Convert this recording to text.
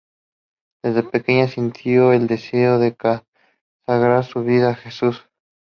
Desde pequeña sintió el deseo de consagrar su vida a Jesús.